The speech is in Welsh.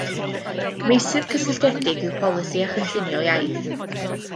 Meysydd cysylltiedig yw polisi a chynllunio iaith.